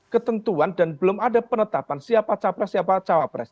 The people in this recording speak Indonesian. ketentuan dan belum ada penetapan siapa capres siapa cawapres